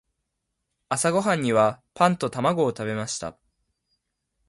朝ごはんにはパンと卵を食べました。